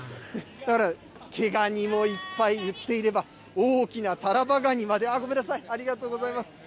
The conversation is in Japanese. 毛ガニもいっぱい売っていれば、大きなタラバガニまで、あっ、ごめんなさい、ありがとうございます。